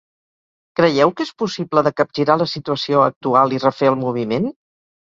Creieu que és possible de capgirar la situació actual i refer el moviment?